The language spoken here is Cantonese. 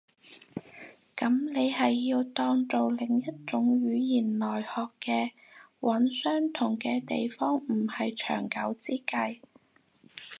噉你係要當做另一種語言來學嘅。揾相同嘅地方唔係長久之計